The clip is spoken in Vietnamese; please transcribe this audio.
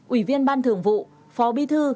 ủy viên ban thường vụ phó bí thư